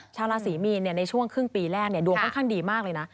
ชาวราศีมีนในช่วงครึ่งปีแรกดวงค่อนข้างดีมากเลยนะ